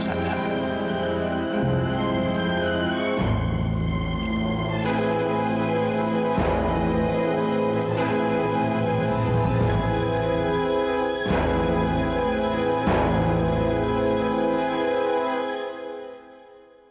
semoga kejadian bapak dalam muda